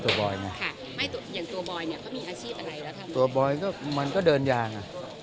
เอาตัวบอยมันก็เดินยาง